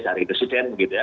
dari presiden gitu ya